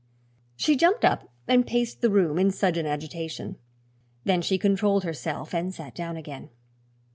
She jumped up and paced the room in sudden agitation. Then she controlled herself and sat down again.